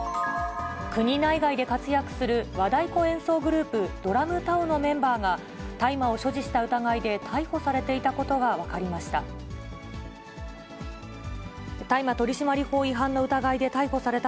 国内外で活躍する和太鼓演奏グループ、ＤＲＵＭＴＡＯのメンバーが、大麻を所持した疑いで逮捕されていたことが分かりました。